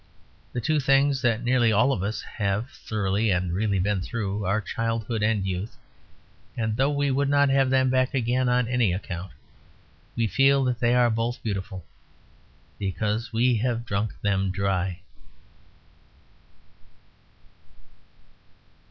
The two things that nearly all of us have thoroughly and really been through are childhood and youth. And though we would not have them back again on any account, we feel that they are both beautiful, because we have drunk them dry.